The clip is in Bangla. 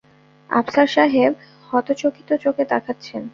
আফসার সাহেব হতচকিত চোখে তাকাচ্ছেন।